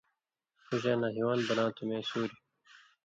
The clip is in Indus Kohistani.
ݜُو شاناں ہِوان بناتُھو مے سُوریۡ